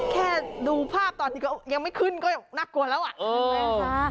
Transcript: แค่ดูภาพตอนที่ยังไม่ขึ้นก็น่ากลัวแล้ว